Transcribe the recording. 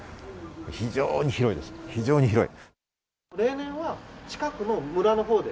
非常に広いです、非常に広い。